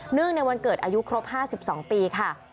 เนื่องในวันเกิดอายุครบห้าสิบสองปีค่ะ